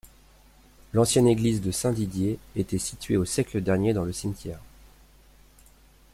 L'ancienne église Saint-Didier était située au siècle dernier dans le cimetière.